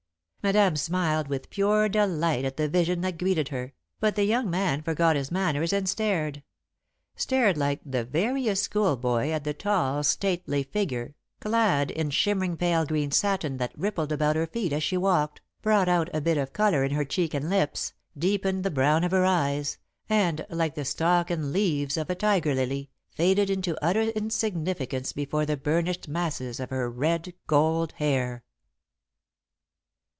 Madame smiled with pure delight at the vision that greeted her, but the young man forgot his manners and stared stared like the veriest schoolboy at the tall, stately figure, clad in shimmering pale green satin that rippled about her feet as she walked, brought out a bit of colour in her cheeks and lips, deepened the brown of her eyes, and, like the stalk and leaves of a tiger lily, faded into utter insignificance before the burnished masses of her red gold hair.